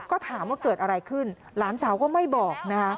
ก็ถามว่าเกิดอะไรขึ้นหลานสาวก็ไม่บอกนะคะ